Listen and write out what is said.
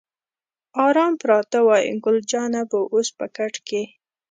آرام پراته وای، ګل جانه به اوس په کټ کې.